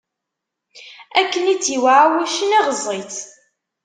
Akken i tt-iwɛa wuccen, iɣeẓẓ-itt.